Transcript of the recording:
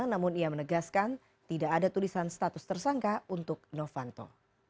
namun ia menegaskan tidak ada tulisan status tersangka untuk novanto